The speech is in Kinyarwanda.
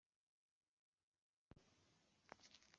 Nuko Amunoni abwira Tamari